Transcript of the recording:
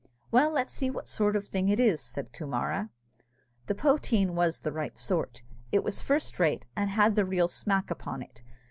"Well, let's see what sort of thing it is," said Coomara. The poteen was the right sort. It was first rate, and had the real smack upon it.